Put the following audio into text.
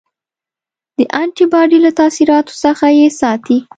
د انټي باډي له تاثیراتو څخه یې ساتي.